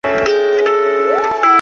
超擢内阁侍读学士。